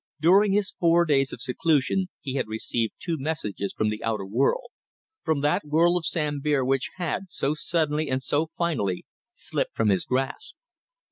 During his four days of seclusion he had received two messages from the outer world; from that world of Sambir which had, so suddenly and so finally, slipped from his grasp.